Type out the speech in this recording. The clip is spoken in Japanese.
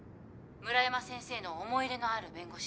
村山先生の思い入れのある弁護士。